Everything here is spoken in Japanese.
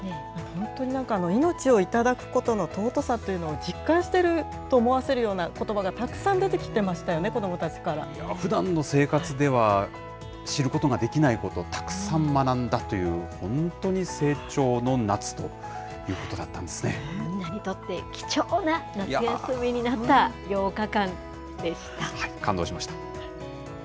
本当になんか、命を頂くことの尊さというのを、実感してると思わせるようなことばがたくさん出てきてましたよね、子どもたちふだんの生活では知ることができないことをたくさん学んだという、本当に成長の夏ということみんなにとって貴重な夏休み感動しました。